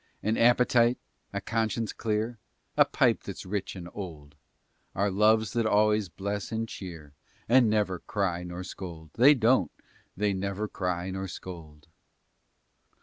An appetite, a conscience clear, A pipe that's rich and old Are loves that always bless and cheer And never cry nor scold, They don't. They never cry nor scold.